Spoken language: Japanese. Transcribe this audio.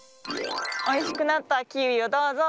おいしくなったキウイをどうぞ。